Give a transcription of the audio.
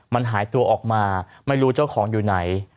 มันหายตัวออกมาไม่รู้เจ้าของอยู่ไหน